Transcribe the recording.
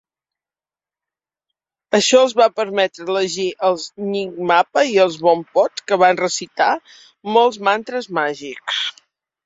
Això els va permetre elegir els Nyingmapa i els Bonpos, que van recitar molts mantres màgics.